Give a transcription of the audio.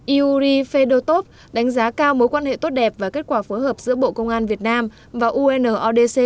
iuuri fedortov đánh giá cao mối quan hệ tốt đẹp và kết quả phối hợp giữa bộ công an việt nam và unodc